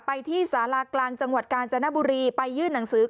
ที่สารากลางจังหวัดกาญจนบุรีไปยื่นหนังสือ